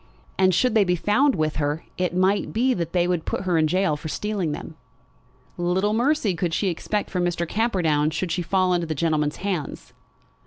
And should they be found with her it might be that they would put her in gaol for stealing them. Little mercy could she expect from Mr. Camperdown should she fall into that gentleman's hands!